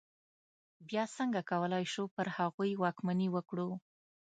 بیا څنګه کولای شو پر هغوی واکمني وکړو.